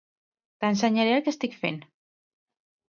T'ensenyaré el que estic fent.